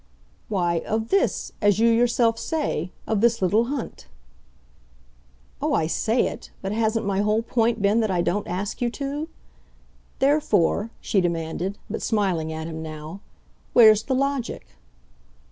"Why, of 'this' as you yourself say. Of this little hunt." "Oh, I say it but hasn't my whole point been that I don't ask you to. Therefore," she demanded but smiling at him now "where's the logic?"